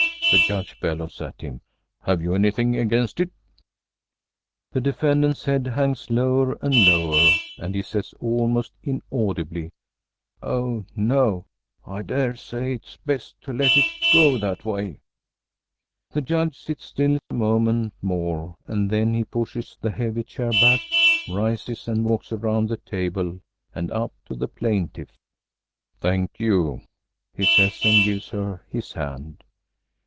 the Judge bellows at him. "Have you anything against it?" The defendant's head hangs lower and lower, and he says, almost inaudibly, "Oh, no, I dare say it is best to let it go that way." The Judge sits still a moment more, and then he pushes the heavy chair back, rises, and walks around the table and up to the plaintiff. "Thank you!" he says and gives her his hand.